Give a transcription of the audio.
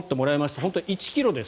本当に１ｋｇです。